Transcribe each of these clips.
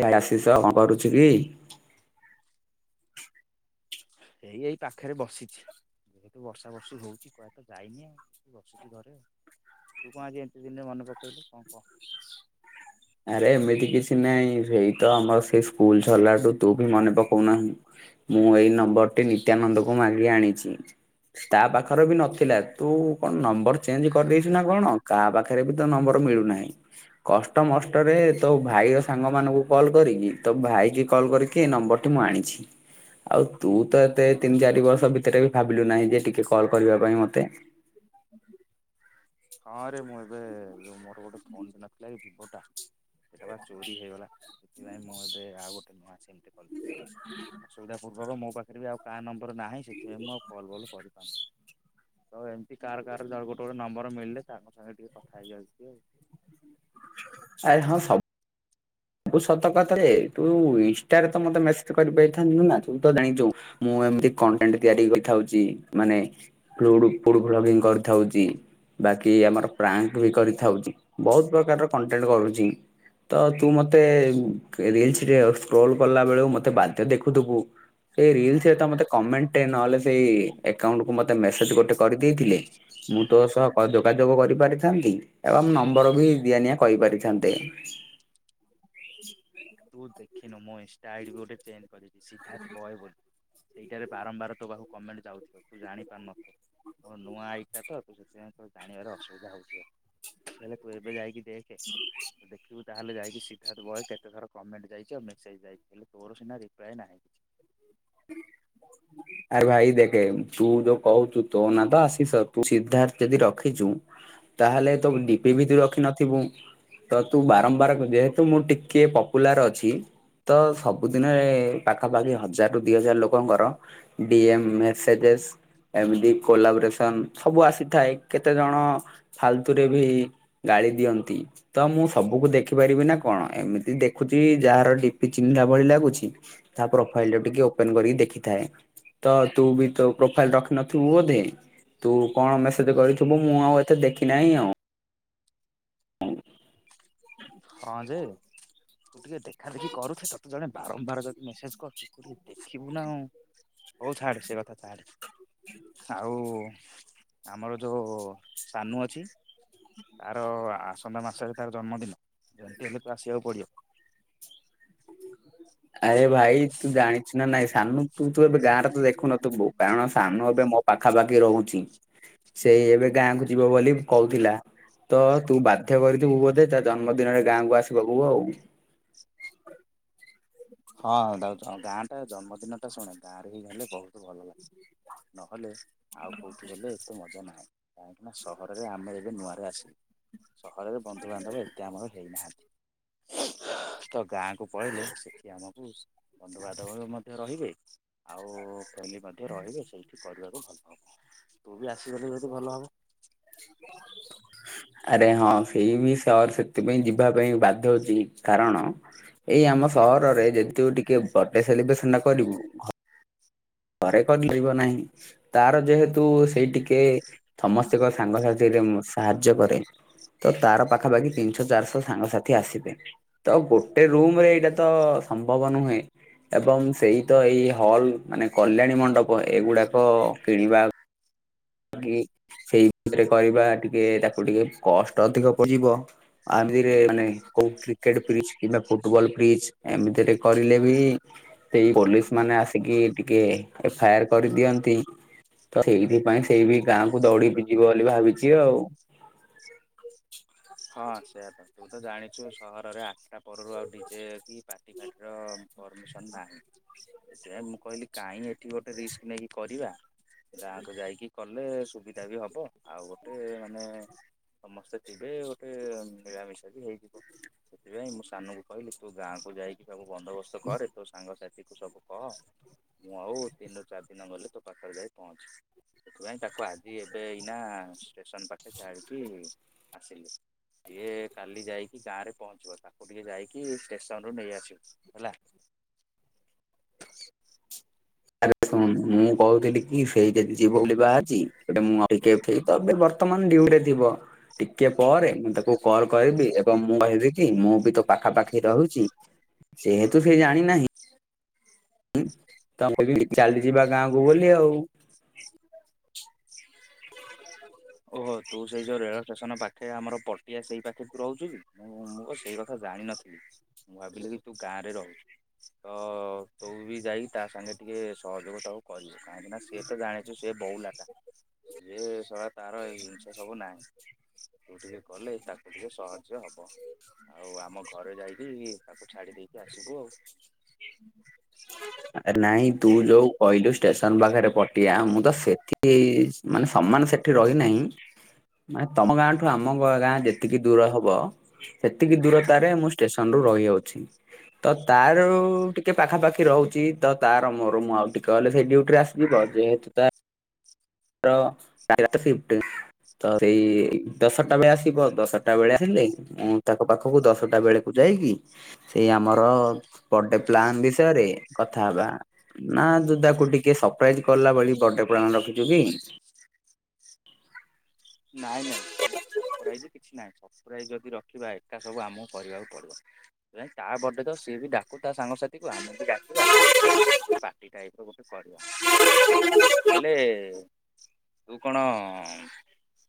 ଏ ଆଶିଷ କଣ କରୁଛି କି? [unintelligible] ଏଇ ଏଇ ପାଖରେ ବସିଛି। ଯେହେତୁ ବର୍ଷା ବର୍ଷି ହଉଛି କୁଆଡେ ତ ଯାଇନି ଆଉ। ବସିଛି ଘରେ ଆଉ। ତୁ କଣ ଆଜି ଏତେ ଦିନ୍ ରେ ମନେ ପକେଇଲୁ? କଣ କହ। ଆରେ ଏମିତି କିଛି ନାଇଁ। ସେଇତ ଆମର ସେଇ ସ୍କୁଲ ସଲାଠୁ ତୁ ବି ମନେ ପକଉନାହୁଁ। ମୁଁ ଏଇ ନମ୍ବରଟି ନିତ୍ୟାନନ୍ଦକୁ ମାଗିକି ଆଣିଛି। ତା ପାଖରେ ବି ନଥିଲା। ତୁ କଣ ନମ୍ବର ଚେଞ୍ଜ କରିଦେଇଛୁ ନା କଣ? କାହା ପାଖ ପାଖରେ ବି ତ ନମ୍ବର ମିଳୁନାହିଁ। କଷ୍ ଷ୍ଟମଷ୍ଟରେ ତୋ ଭାଇର ସାଙ୍ଗମାନଙ୍କୁ କଲ୍ କରିକି ତୋ ଭାଇ କି କଲ୍ କରିକି ଏ ନମ୍ବରଟି ମୁଁ ଆଣିଛି। ଆଉ ତୁ ତ ଏତେ ତିନି ଚାରି ବର୍ଷ ଭିତରେ ବି ଭାବିଲୁ ନାହିଁ ଯେ ଟିକେ କଲ୍ କରିବା ପାଇଁ ମତେ? ହଁରେ ମୁଁ ଏବେ ଯଉ ମୋର ଗୋଟେ ଫୋନଟେ ନଥିଲା କି ଭିବୋ ଟା। ସେଇଟା ବା ଚୋରି ହେଇଗଲା। ସେଥିପାଇଁ ମୁଁ ଏବେ ଆଉ ଗୋଟେ ନୂଆଁ ସିମ୍ ଟେ [unintelligible] ସୁବିଧା ପୂର୍ବକ ମୋ ପାଖରେ ବି ଆଉ କା ନମ୍ବର ନାଇଁ ସେଥିପାଇଁ ଆଉ କଲ୍ ଫଲ କରି ତ ଏମିତି କାର୍ କାର ଗୋଟେ ଗୋଟେ ନମ୍ବର ମିଳିଲେ ତାଙ୍କ ସାଙ୍ଗେରେ ଟିକେ କଥା ହେଇଯାଉଛି ଆଉ। ଆରେ ହଁ ସବୁ ବୁ ସତ କଥାରେ ତୁ ଇନଷ୍ଟାରେ ତ ମତେ ମେସେଜ କରିପରିଥାନ୍ତୁ ନା ତୁ ତ ଜାଣିଛୁ। ମୁଁ ଏମିତି କଣ୍ଟେଣ୍ଟ ତିଆରି କରିଥାଉଛି ମାନେ ପ୍ଲୁଡ ଫୁଡ୍ ଭ୍ଲଗିଙ୍ଗ କରିଥାଉଚି। ବାକି ଆମର ପ୍ରାଙ୍କ ବି କରିଥାଉଛି ବହୁତ ପ୍ରକାରର କଣ୍ଟେଣ୍ଟ କରୁଛି ତ ତୁ ମତେ ରିଲ୍ସରେ ସ୍କ୍ରୋଲ କଲା ବେଳୁ ମତେ ବାଧେ ଦେଖୁଥିବୁ। ସେଇ ରିଲସ୍ ରେ ତ ମତେ କମେଣ୍ଟ ନହେଲେ ସେଇ ଏକଉଣ୍ଟକୁୁ ମତେ ମେସେଜ ଗୋଟେ କରିଦେଇଥିଲେ ମୁଁ ତ ସହ [inaudible] ଯୋଗାଯୋଗ କରିପାରିଥାନ୍ତି ଏବଂ ନମ୍ବର ବି ଦିଆ ନିିଆ କରି ପାରିଥାନ୍ତେ। ତୁ ଦେଖିନୁ ମୋ ଇଷ୍ଟା ଆଇଡି ବି ଗୋଟେ ଚେଞ୍ଜ କରିଛି ସିଦ୍ଧାର୍ଥ ବୟ ବୋଲି। ସେଇଟାରେ ବାରମ୍ବାର ତୋ ପାଖକୁ କମେଣ୍ଟ ଯାଉଥିବ ତୁ ଜାଣିପାରୁନଥିବୁ। ମୋର ନୂଆ ଆଇ ଟା ତ ତୁ ସେଥିପାଇଁ ତ ଜାଣିବାରେ ଅସୁବିଧା ହଉଥିବ, ହେଲେ ତୁ ଏବେ ଯାଇକି ଦେଖେ ଦେଖିବୁ ତାହେଲେ ଯାଇକି ସିଦ୍ଧାର୍ଥ ବୟ କେତେଥର କମେଣ୍ଟ ଯାଇଛି ଆଉ ମେସେଜ୍ ଯାଇଛି ହେଲେ ତୋର ସିନା ରିପ୍ଲାଏ ନାହିଁ। ଆରେ ଭାଇ ଦେଖେ ତୁ ଯୋଉ କହୁଛୁ ତୋ ନା ତ ଆସିସ ତୁ ସିଦ୍ଧାର୍ଥ ଯଦି ରଖିଛୁ ତାହେଲେ ତୁ ଡିପି ବି ତ ରଖିିନଥିବୁ। ତୁ ବାରମ୍ବାର ଯେହେତୁ ମୁଁ ଟିକେ ପପୁଲାର ଅଛି ତ ସବୁଦିନରେ ପାଖାପାଖି ହଜାର ରୁ ଦି ହଜାର ଲୋକଙ୍କର ଡି ଏମ ମେସେଯେ ସ୍। ଏମିତି କୋଲାବ୍ରେସନ୍ ସବୁ ଆସିଥାଏ କେତେ ଜଣ ଫାଲତୁରେ ବି ଗାଳି ଦିଅନ୍ତି। ତ ମୁଁ ସବୁକୁ ଦେଖି ପାରିବି ନା କଣ ଏମିତି ଦେଖୁଛି ଯାହାର ଡିପି ଚିହ୍ନିଲା ଭଳି ଲାଗୁଛି। ତା ପ୍ରୋଫାଇଲ ଟା ଟିକେ ଓପେନ କରିକି ଦେଖିଥାଏ। ତ ତୁ ବି ତୋ ପ୍ରୋଫାଇଲ ରଖି ନଥିବୁ ବୋଧେ। ତୁ କଣ ମେସେଜ କରିଥୁିବୁ ମୁଁ ଆଉ ଏତେ ଦେଖି ନାହିଁ ଆଉ। ହଁ ଯେ ତୁ ଟିକେ ଦେଖା ଦେଖି କରୁଛେ ତତେ ଜଣେ ବାରମ୍ବାର ଯଦି ମେସେଜ କରୁଛି। ଦେଖିବୁ ନା ଆଉ ହଉ ଛାଡେ ସେ କଥା ଛାଡେ। ଆଉ ଆମର ଯୋଉ ସାନୁ ଅଛି ତାର ଆସନ୍ତା ମାସରେ ତାର ଜନ୍ମଦିନ। ଯେମତି ହେଲେ ତୁ ଆସିବାକୁ ପଡିବ। ଆରେ ଭାଇ ତୁ ଜାଣିଛୁ ନା ନାଇଁ ସାନୁ ତୁ ତୁ ଏବେ ଗାଁରେ ତ ଦେଖୁନଥୁବୁ କାରଣ ସାନୁ ଏବେ ମୋ ପାଖାପାଖି ରହୁଛି ସେଇ ଏବେ ଗାଁ କୁ ଯିବ ବୋଲି କହୁଥିଲା। ତ ତୁ ବାଧ୍ୟ କରିଥିବୁ ବୋଧେ ତା ଜନ୍ମଦିନରେ ଗାଁକୁ ଆସିବ ପୁବୁ ଆଉ। ହଁ ଯାଉଁ ଗାଁ ଟା ଜନ୍ମଦିନଟା ଶୁଣେ ଗାଁ ରେ ହେଇ ଗଲେ ବହୁତ ଭଲ ଲାଗେ। ନହଲେ ଆଉ କୋଉଠି ହେଲେ ଏତେ ମଜା ନାହିଁ କାହିଁକି ନା ସହରରେ ଆମେ ଏବେ ନୂଆରେ ଆସିବୁ। ସହରରେ ବନ୍ଧୁବାନ୍ଧବ ଏତେ ଆମର ହେଇନାହାନ୍ତି ତ ଗାଁ କୁ ପଲେଇଲେ ଏଠି ଆମକୁ ବନ୍ଧୁ-ବାନ୍ଧବ ମଧ୍ୟ ରହିବେ। ଆଉ ଖେିଲ ମଧ୍ୟ ରହିବେ ସେଇଠି କରିବାକୁ ଭଲ ହବ ତୁ ବି ଆସିଗଲେ ଯଦି ଭଲ ହବ। ଆରେ ହଁ ସେଇ ବି ସହର ସେଥିପାଇଁ ଯିବା ପାଇଁ ବାଧ୍ୟ ହଛି କାରଣ ଏଇ ଆମ ସହରରେ ଯେତେ ମୁଁ ଟିକେ ବର୍ଥଡେ ସେଲିବ୍ରେସନ ଟା କରିବୁ ଘରେ କରିପାରିବ ନାହିଁ ତାର ଯେହେତୁ ସେଇ ଟିକେ ସମସ ପ୍ରତ୍ୟେକ ସାଙ୍ଗସାଥିରେ ମୁଁ ସାହାଯ୍ୟ କରେ। ତ ତାର ପାଖାପାଖି ତିନିଶହ ଚାରିଶହ ସାଙ୍ଗସାଥି ଆସିବେ। ତ ଗୋଟେ ରୁମରେ ଏଇଟା ତ ସମ୍ଭବ ନୁହେଁ। ଏବଂ ସେଇ ତ ଏଇ ହଲ ମାନେ କଲ୍ୟାଣୀ ମଣ୍ଡପ ଏଗୁଡାକ କିଣିବା ଟିକେ ସେଇ ଭିତରେ କରିବା ଟିକେ ତାକୁ ଟିକେ କଷ୍ଟ ଅଧିକ ପଡିଯିବ। ଆଧୀଅରେ ହୁଁ ମାନେ କୋଉଠି କ୍ରିକେଟ ଫ୍ରିଜ କିମ୍ବା ଫୁଟବଲ୍ ଫ୍ରିଜ ଏମିତିରେ କରିଲେ ବି ସେଇ ପୋଲିସ ମାନେ ଆସିକି ଟିକେ ଏଫଆର କରିଦିଅନ୍ତି। ତ ଏଇଥିପାଇଁ ସେଇ ବି ଗାଁକୁ ଦୌଡିି ଯିବ ବୋଲି ଭାବିଛି ଆଉ। ହଁ ସେଇଆା ତ ତୁ ତ ଜାଣିଛୁ ସହରରେ ଆଠଟା ପରରୁ ଆଉ ଡିଜେ କି ପା ଦିଭାଇଦାର ପର୍ମିସନ୍ ନାହିଁ। ସେଇଆ ମୁଁ କହିଲି କାଇହିଁ ଏଠି ଗୋଟେ ରିସ୍କ ନେଇକି କରିବା। ଗାଁକୁ ଯାଇକି କଲେ ସୁବିଧା ବି ହବ ଆଉ ଗୋଟେ ମାନେ ସମସ୍ତେ ଥିବେ ଗୋଟେ ମିଳାମିଶା ବି ହେଇଯିବ ସେଥିପାଇଁ ମୁଁ ସାନଙ୍କୁ କହିଲି ତୁ ଗାଁକୁ ଯାଇକି ଯିବାକୁ ବନ୍ଦୋବସ୍ତ କରେ ତୋ ସାଙ୍ଗସାଥିକୁ ସବୁ କହ। ମୁଁ ଆଉ ତିନି ରରୁ ଚାରି ଦିନ ଗଲେ ତୋ ପାଖରେ ଯାଇ ପହଞ୍ଚିବି। ସେଥିପାଇଁ ତାକୁ ଆଜି ଏବେ ଏଇନା ଷ୍ଟେସନ ପାଖେ ଛାଡିକି ଆସିଲି। ଇଏ କାଲି ଯାଇକି ଗାଁରେ ପହଞ୍ଚିବ ତାକୁ ଟିକେ ଯାଇକି ଷ୍ଟେସନରୁୁ ନେଇ ଆସିବୁ ହେଲା। [inaudible] ଆରେ ଶୁଣ ମୁଁ କହୁଥିଲି କି ସେଇ ଯଦି ଯିବ ବୋଲି ବାହାରିଛି ଟ ମୁଁ ତମେ ବର୍ତ୍ତମାନ ଡିଉଟିରେ ଥିବ। ଟିକେ ପରେ ମୁଁ ତାକୁ କଲ କରିବି ଏବଂ ମୁଁ କହିବି କି ମୁଁ ବି ତୋ ପାଖାପାାଖି ରହୁଛି ଯେହେତୁ ସେ ଜାଣି ନାହିଁ। ତମେ ବି ଚାଲିଯିବା ଗାଁକୁ ବୋଲି ଆଉ। [inaudible] ଓହୋ ତୁ ସେଇ ଯୋଉ ରେଳ ଷ୍ଟେସନ ପାଖେ ଆମର ପଟିଆ ସେଇ ପାଖେ ତୁ ରହୁଚୁ କି ଓ ସେଇ ଜାଣିନଥିଲି ମୁଁ ଭାବିଲି କି ତୁ ଗାଁ ରେ ରହୁଛୁ। ଓ ତୁବି ଯାଇ ତା ସାଙ୍ଗେ ଟିକେ ସହଯୋଗ ଦଉ କହିବୁ କାହିଁକିନା ସିଏ ତ ଜାଣିଛୁ ସିଏ ବଉଲାଟା। ସିଏ ଶଳା ତାର ଏଇ ଜିନିଷ ସବୁ ନାହିଁ ତୁ ଟିକେ କଲେ ତାକୁ ଟିକେ ସହଜ ହବ। ହବ ଆଉ ଆମ ଘରେ ଯାଇକି ତାକୁ ଛାଡି ଦେଇକି ଆସିବୁ ଆଉ। ନାଇଁ ତୁ ଯୋଉ କହିଲୁ ଷ୍ଟେସନ ପାଖରେ ପଟିଆ ମୁଁ ତ ସେଠି ମାନେ ସମାନ ସେଠି ରହିନାହିଁ ମାନେ ତମ ଗାଁ ଆମ ଗାଁ ଯେତିକି ଦୂର ହବ ସେତିକି ଦୂରତାରେ ମୁଁ ଷ୍ଟେସନରୁୁ ରହିଯାଉଛି। ତ ତାଯୋଉ ପାଖି ରହୁଛି ତାର ମୋର ମୁଁ ଆଉ ଟିକେ କଲେ ସେଇ ଡୁଟି ରେ ଆସିଯିବ ଯେହେତୁ ତା ର ତାର ରତିଷିଫ୍ଟ ତ ସେଇ ଦଶଟା ବେଳେ ଆସିବ ଦଶଟା ବେଳେ ଆସିଲେ ମୁଁ ତାଙ୍କ ପାଖକୁ ଦଶଟା ବେଳକୁ ଯାଇକି ସେଇ ଆମର ଗୋଟେ ପ୍ଲାନ୍ ବିଷୟରେ କଥା ହବା ନା ତୁ ତାକୁ ଟିକେ ସରପ୍ରାଇଜ କଲା ଭଳି ବର୍ଡେ ପା ରଖିଛୁ କି? ନାଇଁ ନାଇଁ ସର୍ପ୍ରାଇଜ କିଛି ନାଇଁ। ସର୍ପ୍ରାଇଜ ଯଦି ରଖିବା ଏକା ସବୁ ଆମକୁ କରିବାକୁ ପଡିବ। ତା ବର୍ଥଡେ ତ ସିଏ ବି ଡାକୁ ତା ସାଙ୍ଗସାଥିକୁ ଆମେ ବି ଡାକ ଗୋଟେ ପାଟି ଟାଇପର କରିବା ହେଲେ ତୁ କଣ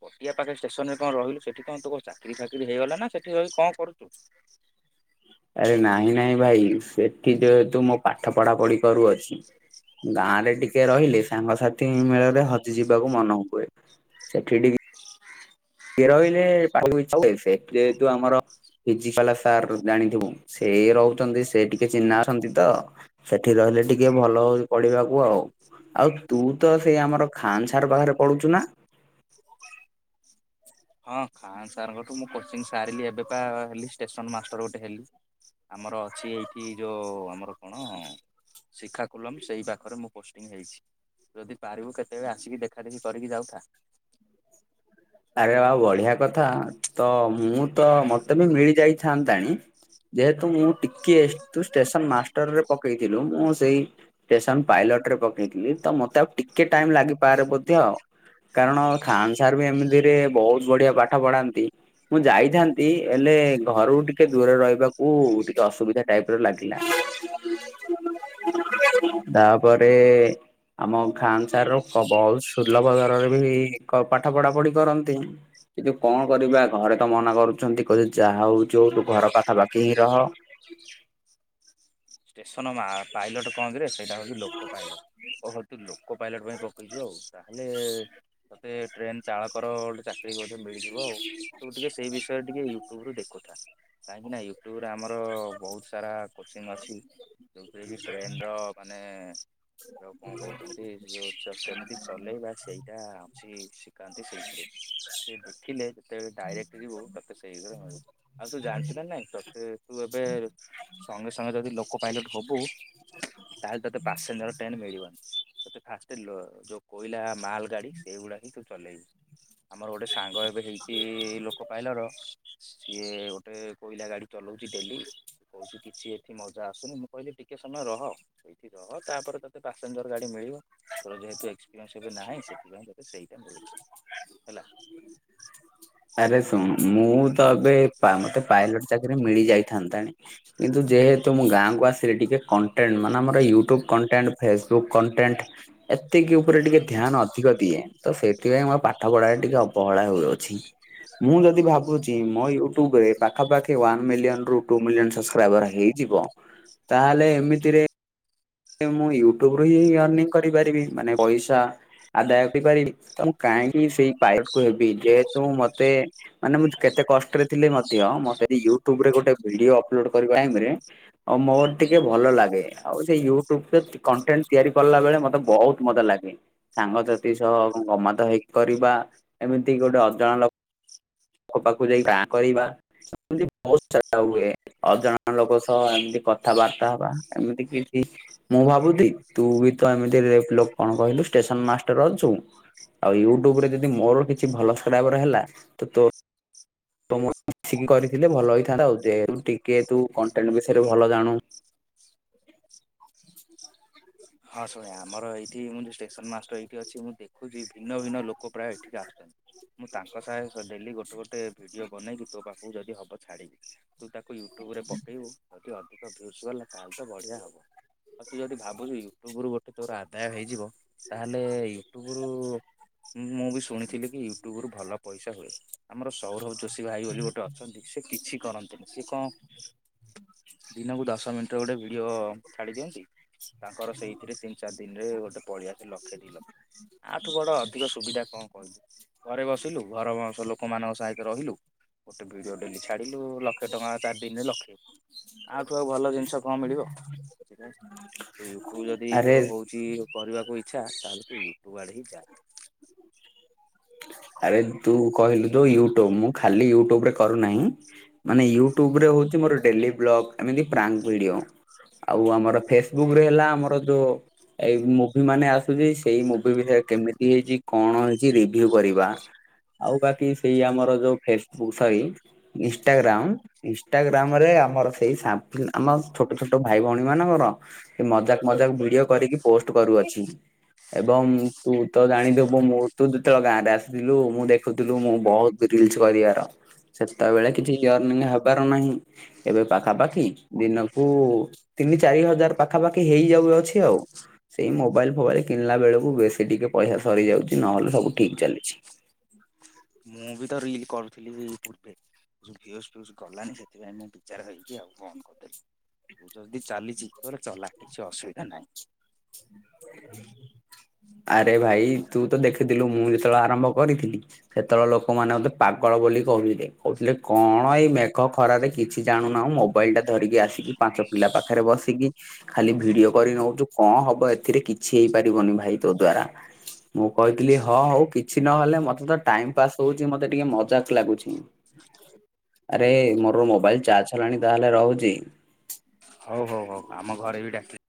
ପଟିଆ ପାଖରେ ଷ୍ଟେସନ ରେ କଣ ରହିଲୁ ସେଠି କଣ ତୁ ଚାକିରି ଫାକିରି ହେଇଗଲା ନା ସେଠି ରହି କଣ କରୁଛୁ? ଆରେ ନାଇଁ ନାଇଁ ଭାଇ ସେଠି ଯେହେତୁ ମୁଁ ପାଠ ପଢାପଢି କରୁଅଛି। [inaudible] ଗାଁରେ ଟିକେ ରହିଲେ ସାଙ୍ଗସାଥି ମେଳରେ ହଜିଯିବାକୁ ମନ ହୁଏ ସେଠି ଟିକେ କି ରହିଲେ ପା ଯେହେତୁ ଆମର ପିଜି ବାଲା ସାର୍ ଜାଣିଥିବୁ ସେ ରହୁଛନ୍ତି ସେ ଟିକେ ଚିହ୍ନା ଅଛନ୍ତି ତ ସେଠି ରହିଲେ ଟିକେ ଭଲ ହଉଛି ଟିକେ ପଢିବାକୁ ଆଉ ଆଉ ତୁ ତ ସେଇ ଆମର ଖାନ ସାର ପାଖରେ ପଢୁଛୁ ନା? ହଁ ଖାନ୍ ସାର୍ ଙ୍କ ଠୁ ମୁଁ କୋଚିଙ୍ଗ ସାରିଲି ଏବେ ପା ହେଲି ଷ୍ଟେସନ ମାଷ୍ଟର ଗୋଟେ ହେଲି। ଆମର ଅଛି ଏଇଠି ଯୋଉ ଆମର କଣ? ଶିଖାକୁଲମ ସେଇ ପାଖରେ ମୁଁ ପୋଷ୍ଟିଂ ହେଇଛି। ଯଦି ପାରିବୁ କେତେବେଳେ ଆସିକି ଦେଖା ଦେଖି କରିକି ଯାଉଥା। ଆରେ ବାଃ ବଢିଆ କଥା ତ ମୁଁ ତ ମତେ ବି ମିଳିଯାଇ ଥାନ୍ତାଣି। ଯେହେତୁ ମୁଁ ଟିକେ ଷ୍ଟେସନ ମାଷ୍ଟରରେ ପକେଇଥିଲୁ ମୁଁ ସେଇ ଷ୍ଟେସନ ପାଇଲଟରେ ପକେଇଥିଲି ତ ମତେ ଆଉ ଟିକେ ଟାଇମ ଲାଗିପାରେ ବୋଧେ ଆଉ କାରଣ ଖାନ ସାର୍ ବି ଏମିତିରେ ବହୁତ ବଢିଆ ପାଠ ପଢାନ୍ତି। ମୁଁ ଯାଇଥାନ୍ତି ହେଲେ ଘରୁକୁ ଟିକେ ଦୂରରେ ରହିବାକୁ ଟିକେ ଅସୁବିଧା ଟାଇପର ଲାଗିଲା। [unintelligible] ଘରେ ଆମ ଖାନ ସାର ର ବହୁତ ସୁଲଭ ଦରରେ ବି ପାଠ ପଢା ପଢି କରନ୍ତି। କିନ୍ତୁ କଣ କରିବା ଘରେ ତ ମନା କରୁଛନ୍ତି କହୁଛେ ଯାହା ହଉଛି ହଉ ତୁ ଘର ପାଖା ପାଖି ହିଁ ରହ। ଷ୍ଟେସନ ପାଇଲଟ କଣ କିରେ ସେଇଟା ହଉଛି ଲୋକ ପାଇଲଟ ଓହ ତୁ ଲୋକ ପାଇଲଟ ପାଇଁ ପକେଇଛୁ ଆଉ ତାହେଲେ ତତେ ଟ୍ରେନ ଚାଳକର ଚାକିରୀ ମଧ୍ୟ ମିଳିଯିବ ଆଉ ଟିକେ ସେଇ ବିଷୟରେ ଟିକେ ୟୁଟ୍ୟୁବରୁ ଦେଖୁଥା କାହିଁକି ନା ଯୋଉ ଆମର ବହୁତ ସାରା କୋଶ୍ଚିନ ଅଛି ଯେଉଁଥିରେ କି ଟ୍ରେନର ମାନେ ଆଉ କଣ କହୁଛନ୍ତି ଯୋଉ କେମିତି ଚଲେଇବା ସେଇଟା ହଉଛି କାନ୍ତି ସେଇଥିରେ ସେ ଦେଖିଲେ ଯେତେବେଳେ ଡାଇରେକ୍ଟ ଯିବୁ ତତେ ସେଇରେ ମିଳିବ। ଆଉ ତୁ ଜାଣିଛୁ ନା ନାଇଁ ତତେ ତୁ ଏବେ ସଙ୍ଗେ ସଙ୍ଗେ ଯଦି ଲୋକ ପାଇଲଟ ହବୁ ତାହେଲେ ତୋତେ ପାସେଞ୍ଜର ଟ୍ରେନ ମିଳିବନି ତତେ ଫାଷ୍ଟ ଯୋ କୋଇଲା ମାଲଗାଡି ସେଇଗୁଡା ହିଁ ତୁ ଚଲେଇବୁ। ଆମର ଗୋଟେ ସାଙ୍ଗ ଏବେ ହେଇଛି ଲୋକ ପାଇଲର ସିଏ ଗୋଟେ କୋଇଲା ଗାଡି ଚଲଉଛି ଡେଲି କହୁଛି କିଛି ଏଠି ମଜ ଆସନୁ ମୁଁ କହିଲି ଟିକେ ସମୟ ରହ ଏଇଠି ରହ ତାପରେ ତତେ ପାସେଞ୍ଜର ଗାଡି ମିଳିବ। ତୋର ଯେହେତୁ ଏକ୍ସପିରିଏନ୍ସ ନାହିଁ ସେଥିପାଇଁ ତତେ ସେଇଟା ମିଳଛି ହେଲା। ଆରେ ଶୁଣ ମୁଁ ତ ଏବେ ମତେ ପାଇଲଟ ଚାକିରି ମିଳିଯାଇଥାନ୍ତାଣି। କିନ୍ତୁ ଯେହେତୁ ମୁଁ ଗାଁକୁ ଆସିଲେ ଟିକେ କଣ୍ଟେଣ୍ଟ ମାନେ ଆମର ୟୁଟ୍ୟୁବ୍ କଣ୍ଟେଣ୍ଟ ଫେସବୁକ୍ କଣ୍ଟେଣ୍ଟ ଏତିକି ଉପରେ ଟିକେ ଧ୍ୟାନ ଅଧିକ ଦିଏ ତ ସେ ସେଥିପାଇଁ ମୋର ପାଠ ପଢ଼ାରେ ଟିକେ ଅବହେଳା ହେଉଅଛି। ମୁଁ ଯଦି ଭାବୁଛି ମୋ ୟୁଟ୍ୟୁବରେ ପାଖାପାଖି ୱାନ ମିଲିୟନରୁ ଟୁ ମିଲିୟନ ସବସ୍କ୍ରାଇବର ହେଇ ଯିବ ତାହେଲେ ଏମିତିରେ ମୁଁ ୟୁଟୁବରୁ ହିଁ ଏରଣିଂ କରିପାରିବି ମାନେ ପଇସା ଆଦାୟ କରିପାରି ତ ମୁଁ କାହିଁକି ସେଇ ପାଇଲଟକୁ ହେବି ଯେହେତୁ ମତେ ମାନେ ମୁଁ କେତେ କଷ୍ଟରେ ଥିଲି ମଧ୍ୟ ମତେ ୟୁଟ୍ୟୁବରେ ଗୋଟେ ଭିଡିଓ ଅପଲୋଡ କରିବା ଟାଇମରେ ଆଉ ମୋର ଟିକେ ଭଲ ଲାଗେ ଆଉ ସେଇ ୟୁ ୟୁଟ୍ୟୁବରେ କଣ୍ଟେଣ୍ଟ ତିଆରି କଲା ବଳେ ମତେ ବହୁତ ମଜା ଲାଗେ। ସାଙ୍ଗସାଥି ସହ ଗମତ ହେଇକି କରିବା ଏମିତି ଗୋଟେ ଅଜଣା ଲୋକ ଆଖ ପାଖକୁ ଯାଇ ଗାଁ କରିବା ଏମତି ବହୁତାରା ହୁଏ। ଅଜଣା ଲୋକ ସହ ଏମିତି କଥାବାର୍ତା ହବା ଏମିତି କିଛି ମୁଁ ଭାବୁଥିଲି ତୁ ବି ତ ଏମିତି ଲୋକ କଣ କହିଲୁ ଷ୍ଟେସନ ମାଷ୍ଟର ଅଛୁ। ଆଉ ୟୁଟ୍ୟୁବରେ ଯଦି ମୋର କିଛି ଭଲ ସ୍କ୍ରାଇବର ହେଲା ତ ତୋ ତ ମିିକି କରିଥିଲେ ଭଲ ହେଇଥାନ୍ତା ଆଉୁ ଟିକେ ତୁ କଣ୍ଟେଣ୍ଟ ବିଷୟରେ ଭଲ ଜାଣୁ। [inaudible] ହଁ ଶୁଣ ଆମର ଏଇଠି ମୁଁ ଷ୍ଟେସନ ମାଷ୍ଟର ଏଇଠି ଅଛି ମୁଁ ଦେଖୁଛି ଭିନ୍ନ ଭିନ୍ନ ଲୋକ ପ୍ରାୟ ଏଠିକି ଆସୁଛନ୍ତି। ମୁଁ ତାଙ୍କ ସାଏ ତ ଡେଲି ଗୋଟେ ଗୋଟେ ଭିଡ଼ିଓ ବନେଇକି ତୋ ପାଖକୁ ଯଦି ହବ ଛାଡ଼ିକି ତୁ ତାକୁ ୟୁଟ୍ୟୁବ ରେ ପକେଇବୁ। ଯଦି ଅଧିକ ଭିଉଁସ ଗଲା ତାହେଲେ ତ ବଢ଼ିଆ ହବ ଆଉ ତୁ ଯଦି ଭାବୁଛୁକି? ଟୁବୁରୁ ଗୋଟେ ତୋର ଆଦାୟ ହେଇଯିବ ତାହେଲେ ୟୁଟ୍ୟୁବୁରୁ ମୁଁ ମୁଁ ବି ଶୁଣିଥିଲି କି ୟୁଟ୍ୟୁବୁରୁ ଭଲ ପଇସା ହୁଏ। ଆମର ସୌରଭ ଯୋଷୀ ଭାଇ ବୋଲି ଗୋଟେ ଅଛନ୍ତି ସେ କିଛି କରନ୍ତିନି ସିଏ କଣ [inaudible] ଦିନକୁ ଦଶ ମିନିଟର ଗୋଟେ ଭିଡିଓ ଛାଡି ଦିଅନ୍ତି ତାଙ୍କର ସେଇଥିରେ ତିନି ଚାରି ଦିନରେ ଗୋଟେ ପଳି ଆସେ ଲକ୍ଷେ ଦି ଲକ୍ଷେ ଆଠୁ ବଡ ଅଧିକ ସୁବିଧା କଣ କହିଲୁ? ଘରେ ବସିଲୁ ଘର ବଉଁଶ ଲୋକମାନଙ୍କ ସାଙ୍ଗେରେ ତୁ ରହିଲୁ। ଗୋଟେ ଭିଡିଓ ଡେଲି ଛାଡ଼ିଲୁ ଲକ୍ଷେ ଟଙ୍କା ଚାରି ଦିନରେ ଲକ୍ଷେ। ଆ ଠୁ ଆଉ ଭଲ ଜିନିଷ କଣ ମିଳିବ ୟୁଟ୍ୟୁବ ଯଦି କି ଆରେ ତୋର ହଉଚି କରିବାକୁ ଇଚ୍ଛା ତାହେଲେ ତୁ ୟୁଟ୍ୟୁବ ଆଡେ ହିଁ ଯା। ଆରେ ତୁ କହିଲୁ ଯୋଉ ୟୁଟ୍ୟୁବୁ ମୁଁ ଖାଲି ୟୁଟ୍ୟୁବୁରେ କରୁନାହିଁ। ମାନେ ୟୁଟ୍ୟୁବରେ ହଉଚି ମୋର ଡେଲି ବ୍ଲଗ୍ ଏମିତି ପ୍ରାଙ୍କ ଭିଡିଓ। ଆଉ ଆମର ଫେସବୁକରେ ହେଲା ଆମର ଯୋଉ ଏଇ ମୁ ମାନେ ଆସୁଚି ସେଇ ମୁଭି ବିଷୟରେ କେମିତି ହେଇଚି କଣ ହେଇଚି ରି ଭ୍ୟୁ କରିବା ଆଉ ବାକି ସେଇ ଆମର ଯୋଉ ଫେସବୁକ୍ ଥାଇ ଇଷ୍ଟାଗ୍ରାମ ଇସ୍ ଇନିଷ୍ଟାଗ୍ରାମ ରେ ଆମର ସେଇ ସା ଆମ ଛୋଟ ଛୋଟ ଭାଇ ଭଉଣୀମାନଙ୍କର ମଜାକା ମଜାକା ଭିଡିଓ କରିକି ପୋଷ୍ଟ କରୁଅଛି। ଏବଂ ତୁ ତ ଜାଣିଥବୁ ମୁଁ ତୁ ତ ଗାଁରେ ଆସିଥିଲୁ ମୁଁ ଦେଖୁଥିଲୁ ମୁଁ ବୋହୁତ ରିଲସ କରିବାର। ସେତେବେଳେ କିଛି ୟର୍ନିଂ ହେବାର ନାହିଁ ଏବେ ପାଖାପାଖି ଦିନକୁ ତିନି ଚାରି ହଜାର ପାଖାପାଖି ହେଇ ଯାଉଅଛି ଆଉ। ସେଇ ମୋବାଇଲ ଫୋବାଇଲ କିଣିଲା ବେଳକୁ ବେଶୀ ଟିକେ ପଇସା ସରି ଯାଉଚି ନହେଲେ ସବୁ ଠିକ ଚାଲିଛି। ମୁଁ ବି ତ ରିଲ୍ କରୁଥିଲି ଇ ପୂର୍ବେ ଯୋଉ ଭ୍ୟୁଜ ଫ୍ୟୁଜ ଗଲାନି ସେଥିପାଇଁ ମୁଁ ବିଜାର ହେଇକି ଆଉ ବନ୍ଦ କରିଦେଲି। ଉ ଯଦି ଚାଲିଚି ତୋର ଚଲା କିଛି ଅସୁବିଧା ନାହିଁ। ଆରେ ଭାଇ ତୁ ତ ଦେଖିଥିଲୁ ମୁଁ ଯେତେବେଳେ ଆରମ୍ଭ କରିଥିଲି? ସେତେବେଳେ ଲୋକମାନେ ମତେ ପାଗଳ ବୋଲି କହୁଥିଲେ କହୁଥିଲେ କଣ ଏଇ ମେଘ ଖରାରେ କିଛି ଜାଣୁନାହୁଁ ମୋ ମୋବାଇଲି ଟା ଧରିକି ଆସିକି ପାଞ୍ଚ ପିଲା ପାଖେରେ ବସିକି ଖାଲି ଭିଡିଓ କରି ନଉଚୁ କଣ ହବ ଏଥିରେ କିଛି ହେଇପାରିବନି ଭାଇ ତୋ ଦ୍ଵାରା। ମୁଁ କହିଥିଲି ହଁ ହଉ କିଛି ନହେଲେ ମତେ ତ ଟାଇମ ପାସ୍ ହଉଚି ମତେ ଟିକେ ମଜାକ୍ ଲାଗୁଛି। ଆରେ ମୋର ମୋବାଇଲ ଚାର୍ଜ ସରିଲାଣି ତାହେଲେ ରହୁଚି। ହଉ ହଉ ହଉ ଆମ ଘରେ ବି ଡାକି